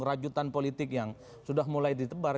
rajutan politik yang sudah mulai ditebar